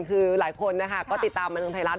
คือหลายคนนะคะก็ติดตามบันเทิงไทยรัฐ